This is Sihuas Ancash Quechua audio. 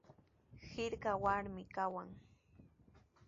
Hirkatrawmi kawan.